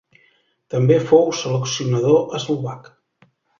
També fou seleccionador eslovac.